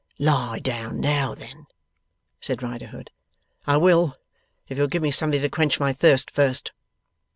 'Lie down now, then,' said Riderhood. 'I will, if you'll give me something to quench my thirst first.